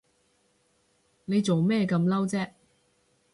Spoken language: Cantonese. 你做咩咁嬲啫？